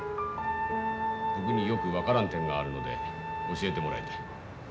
僕によく分からん点があるので教えてもらいたい。